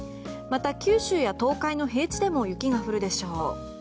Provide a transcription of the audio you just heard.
また九州や東海の平地でも雪が降るでしょう。